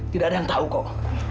tidak ada yang tahu kok